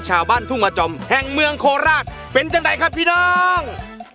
ชาวบ้านทุ่งมาจอมแห่งเมืองโคราชเป็นจังใดครับพี่น้อง